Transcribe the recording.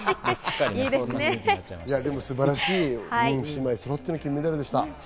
でも素晴らしい、姉妹そろっての金メダルでした。